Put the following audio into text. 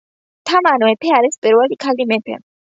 თამარ მეფე, არის პირველი ქალი მეფე.